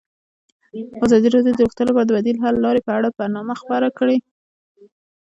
ازادي راډیو د روغتیا لپاره د بدیل حل لارې په اړه برنامه خپاره کړې.